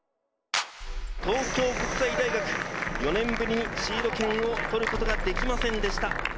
東京国際大学、４年ぶりにシード権を取ることができませんでした。